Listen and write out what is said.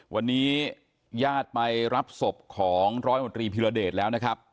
วันนี้ญาติไปรับศพของร้อยมตรีพิรเดชแล้วนะครับ